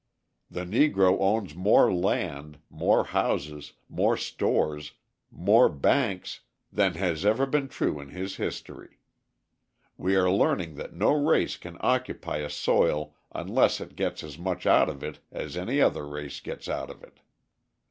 The Negro owns more land, more houses, more stores, more banks, than has ever been true in his history. We are learning that no race can occupy a soil unless it gets as much out of it as any other race gets out of it.